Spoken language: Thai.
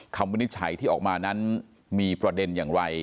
วินิจฉัยที่ออกมานั้นมีประเด็นอย่างไร